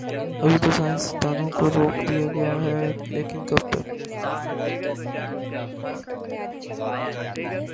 ابھی تو سائنس دانوں کو روک دیا گیا ہے، لیکن کب تک؟